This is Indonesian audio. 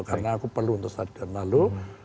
karena aku perlu untuk stadion lalu